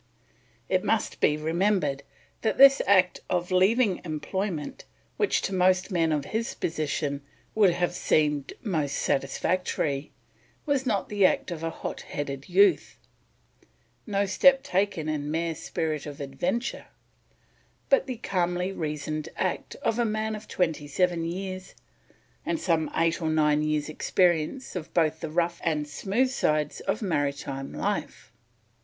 It must be remembered that this act of leaving employment which, to most men of his position, would have seemed most satisfactory, was not the act of hot headed youth, no step taken in mere spirit of adventure, but the calmly reasoned act of a man of twenty seven years and some eight or nine years experience of both the rough and smooth sides of maritime life.